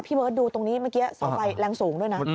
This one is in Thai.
เบิร์ตดูตรงนี้เมื่อกี้เสาไฟแรงสูงด้วยนะ